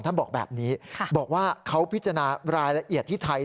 บอกแบบนี้บอกว่าเขาพิจารณารายละเอียดที่ไทย